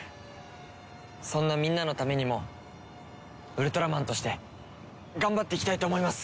そんなみんなのためにもウルトラマンとして頑張っていきたいと思います！